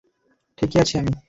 ঠিক আছি আমি।